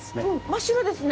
真っ白ですね。